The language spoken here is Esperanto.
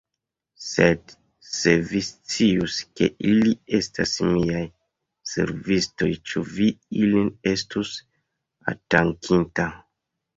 Sed se vi scius, ke ili estas miaj servistoj, ĉu vi ilin estus atakinta?